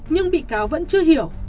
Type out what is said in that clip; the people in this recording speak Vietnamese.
nhưng bị cáo vẫn chưa hiểu